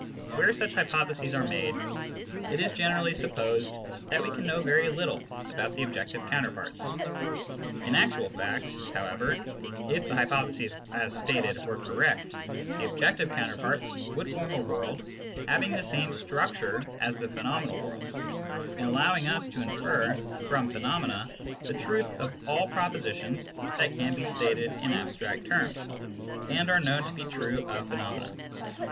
Where such hypotheses are made, it is generally supposed that we can know very little about the objective counterparts. In actual fact, however, if the hypotheses as stated were correct, the objective counterparts would form a world having the same structure as the phenomenal world, and allowing us to infer from phenomena the truth of all propositions that can be stated in abstract terms and are known to be true of phenomena.